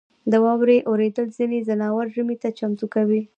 • د واورې اورېدل ځینې ځناور ژمي ته چمتو کوي.